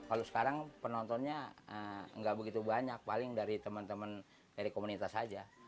kalau sekarang penontonnya nggak begitu banyak paling dari teman teman dari komunitas saja